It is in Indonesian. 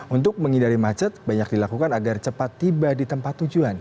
untuk menghindari macet banyak dilakukan agar cepat tiba di tempat tujuan